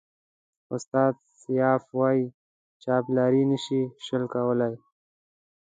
استاد سياف وایي چاپلاري نشي شل کولای.